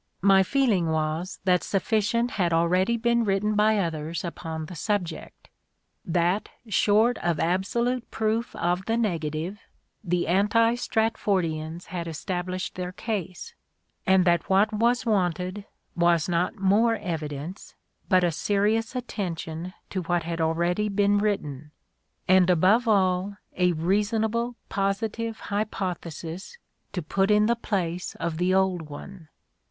My feeling was that sufficient had already been written by others upon the subject ; that short of absolute proof of the negative, the anti Stratfordians had established their case, and that what was wanted was not more evidence but a serious attention to what had already been written, and above all a reasonable positive hypothesis to put in the place of the old one.